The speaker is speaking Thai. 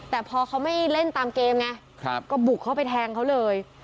แต่พอเขาไม่เล่นตามเกมไงก็บุกเข้าไปแทงเขาเลย